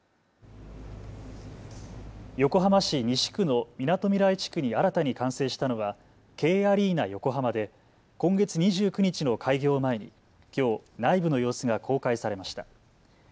横浜市西区のみなとみらい地区に新たに完成したのはＫアリーナ横浜で今月２９日の開業を前にきょう内部の様子が公開されました。